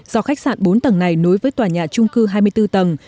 do khách sạn bốn tầng này nối với tòa nhà trung cư hai mươi bốn tầng